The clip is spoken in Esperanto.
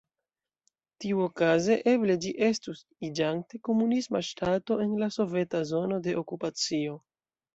Tiuokaze, eble ĝi estus iĝante komunisma ŝtato en la soveta zono de okupacio.